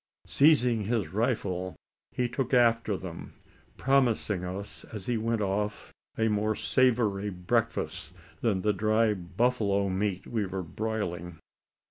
Seizing his rifle, he took after them promising us as he went off a more savoury breakfast than the dry buffalo meat we were broiling.